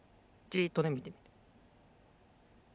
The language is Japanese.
じっとねみてみて。